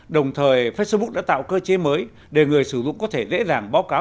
đồng thời facebook đã tạo cơ chế mới để người sử dụng có thể dễ dàng báo cáo